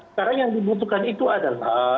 sekarang yang dibutuhkan itu adalah